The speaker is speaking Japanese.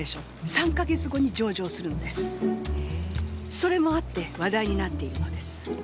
それもあって話題になっているのです。